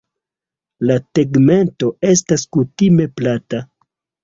La tegmento estas kutime plata.